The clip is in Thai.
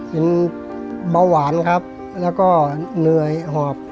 เป็นเบาหวานครับแล้วก็เหนื่อยหอบ